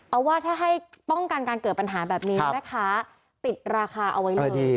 เอาว่าถ้าให้ป้องกันการเกิดปัญหาแบบนี้แม่ค้าติดราคาเอาไว้เลย